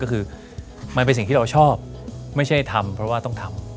ก็คือมันเป็นสิ่งที่เราชอบไม่ใช่ทำเพราะว่าต้องทำ